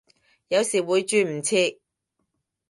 有時會轉唔切